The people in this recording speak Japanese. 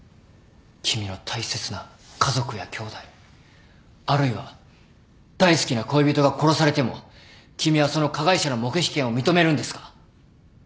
君の大切な家族やきょうだいあるいは大好きな恋人が殺されても君はその加害者の黙秘権を認めるんですか？